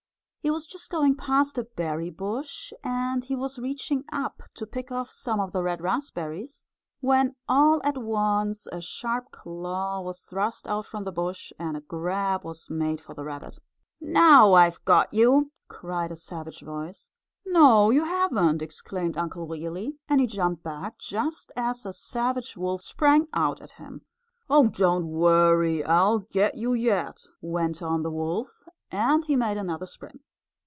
He was just going past a berry bush, and he was reaching up to pick off some of the red raspberries, when all at once a sharp claw was thrust out from the bush and a grab was made for the rabbit. "Now, I've got you!" cried a savage voice. "No, you haven't!" exclaimed Uncle Wiggily, and he jumped back just as a savage wolf sprang out at him. "Oh, don't worry, I'll get you yet!" went on the wolf and he made another spring.